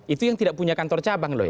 itu yang tidak punya kantor cabang loh ya